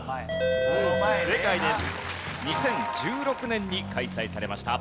２０１６年に開催されました。